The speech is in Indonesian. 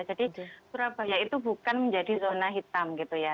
jadi surabaya itu bukan menjadi zona hitam gitu ya